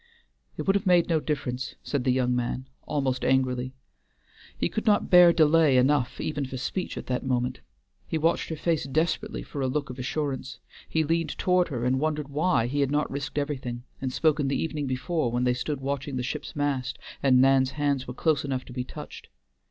"It would have made no difference," said the young man, almost angrily. He could not bear delay enough even for speech at that moment; he watched her face desperately for a look of assurance; he leaned toward her and wondered why he had not risked everything, and spoken the evening before when they stood watching the ship's mast, and Nan's hands were close enough to be touched.